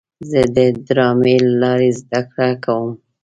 زه د ډرامې له لارې زده کړه کوم.